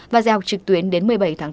và gieo trực tuyến đến một mươi bảy tháng bốn